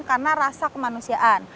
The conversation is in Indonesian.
karena rasa kemanusiaan